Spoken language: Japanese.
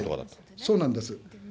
そうなんです。